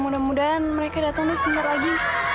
mudah mudahan mereka datangnya sebentar lagi